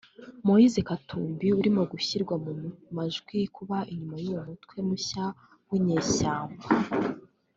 Moise Katumbi urimo gushyirwa mu majwi kuba inyuma y’uyu mutwe mushya w’inyeshyamba